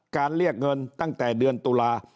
เรียกเงินตั้งแต่เดือนตุลา